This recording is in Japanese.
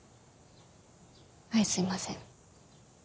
はいすいません。